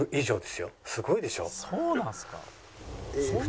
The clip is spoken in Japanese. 「そうなんですか？」